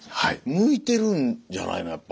向いてるんじゃないのやっぱ。